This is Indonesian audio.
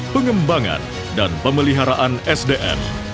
pengembangan dan pemeliharaan sdm